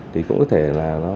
thì cũng có thể là nó